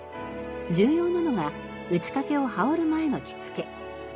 重要なのが打ち掛けを羽織る前の着付け。